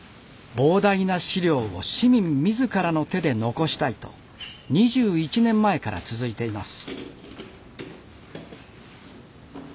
膨大な史料を市民自らの手で残したいと２１年前から続いています。